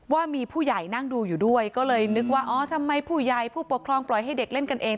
ว่ามีผู้ใหญ่นั่งดูอยู่ด้วยก็เลยนึกว่าอ๋อทำไมผู้ใหญ่ผู้ปกครองปล่อยให้เด็กเล่นกันเอง